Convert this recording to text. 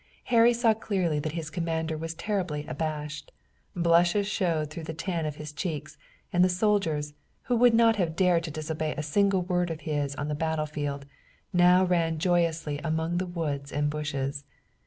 Harry saw clearly that his commander was terribly abashed. Blushes showed through the tan of his cheeks, and the soldiers, who would not have dared to disobey a single word of his on the battlefield, now ran joyously among the woods and bushes.